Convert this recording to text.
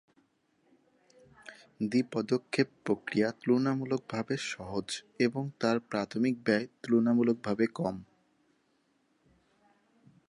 দ্বি-পদক্ষেপ প্রক্রিয়া তুলনামূলকভাবে সহজ এবং তার প্রাথমিক ব্যয় তুলনামূলকভাবে কম।